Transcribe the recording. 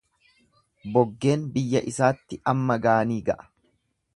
Boggeen biyya isaatti amma gaanii ga'a.